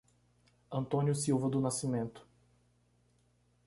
Antônio Silva do Nascimento